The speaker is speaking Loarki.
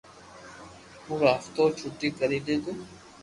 پورو حفتہ ڇوتي ڪري ليتو